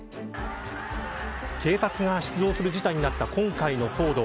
警察が出動する事態になった今回の騒動。